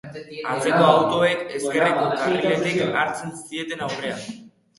Atzeko autoek ezkerreko karriletik hartzen zieten aurrea.